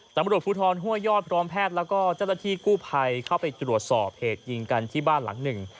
ตำรวจภูทรห้วยยอดพร้อมแพทย์แล้วก็เจ้าหน้าที่กู้ภัยเข้าไปตรวจสอบเหตุยิงกันที่บ้านหลังหนึ่ง